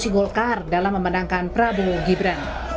golkar dalam memandangkan prabowo gibran